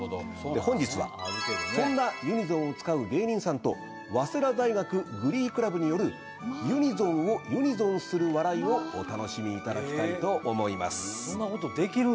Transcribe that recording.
本日はそんなユニゾンを使う芸人さんと早稲田大学グリークラブによるユニゾンをユニゾンする笑いをお楽しみいただきたいと思います。